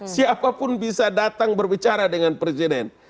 siapapun bisa datang berbicara dengan presiden